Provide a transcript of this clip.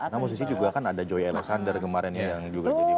nah musisi juga kan ada joy alexander kemarin ya yang juga jadi musisi hebat